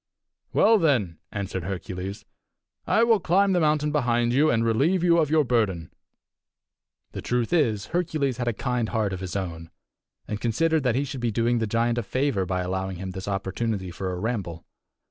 "Well, then," answered Hercules, "I will climb the mountain behind you, and relieve you of your burden." The truth is, Hercules had a kind heart of his own, and considered that he should be doing the giant a favour by allowing him this opportunity for a ramble.